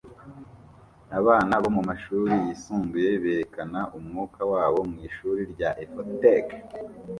Abana bo mumashuri yisumbuye berekana umwuka wabo mwishuri rya efotec